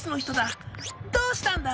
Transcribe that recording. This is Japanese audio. どうしたんだい？